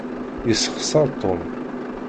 Yessexseṛ Tom.